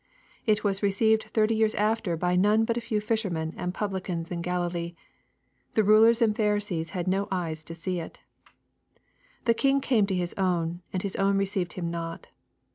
It was received thirty years after by none but a few fishermen and pub licans in Galilee. The rulers and Pharisees had no eyes to see it. The King came to His own, and His own received Him not.